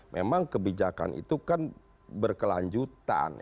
memang kebijakan itu kan berkelanjutan